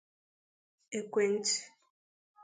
ekwentị